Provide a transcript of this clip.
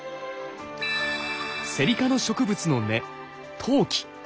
セリ科の植物の根当帰。